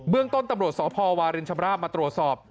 เบื้องต้นตำรวจสพวารินชะบราบมาตรวจสอบ